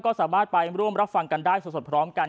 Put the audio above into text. ก็สามารถไปร่วมรับฟังกันได้สดพร้อมกัน